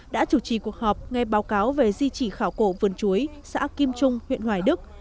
đã chủ trì cuộc họp nghe báo cáo về di chỉ khảo cổ vườn chuối xã kim trung huyện hoài đức